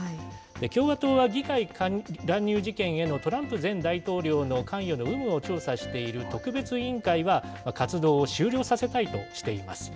共和党は議会乱入事件へのトランプ前大統領の関与の有無を調査している特別委員会は、活動を終了させたいとしています。